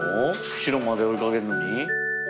釧路まで追いかけるのに？